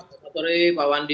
selamat sore pak wandi